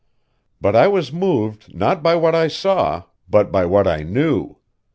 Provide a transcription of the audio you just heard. But I was moved not by what I saw, but by what I knew.